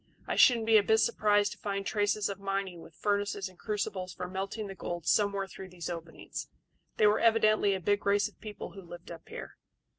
I shouldn't be a bit surprised to find traces of mining with furnaces and crucibles for melting the gold somewhere through these openings. They were evidently a big race of people who lived up here."